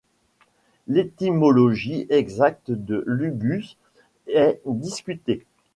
L'étymologie exacte de Lugus est discutée.